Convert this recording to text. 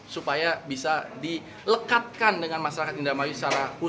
supaya bisa dilekatkan dengan masyarakat di ramayu